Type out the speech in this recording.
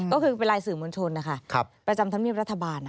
ก็คือเป็นไลน์สื่อมวลชนประจำทันมีบรัฐบาล